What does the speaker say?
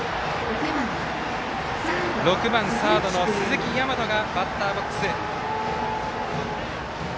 ６番サードの鈴木大和がバッターボックス。